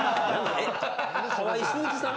川合俊一さん？